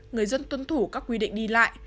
người dân tuân thủ các quy định đi lại